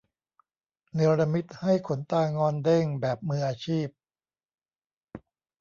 เนรมิตให้ขนตางอนเด้ง แบบมืออาชีพ